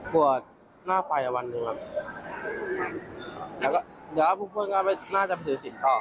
กว่าหน้าไฟอาวันนึงครับแล้วก็เดี๋ยวพวกเพื่อนก็น่าจะไปถือศิลป์ต่อครับ